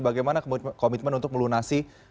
bagaimana komitmen untuk melunasi